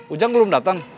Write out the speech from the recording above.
ujang belum datang